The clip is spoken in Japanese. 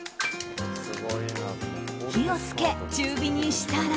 火をつけ、中火にしたら。